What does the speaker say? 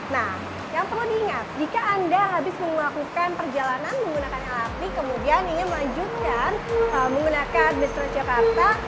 nah yang perlu diingat jika anda habis melakukan perjalanan menggunakan lrt kemudian ingin melanjutkan menggunakan bus transjakarta